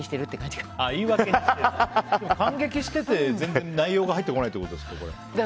でも観劇してて、全然内容が入ってこないってことですか。